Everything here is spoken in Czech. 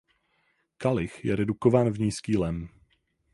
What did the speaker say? Kalich je redukován v nízký lem.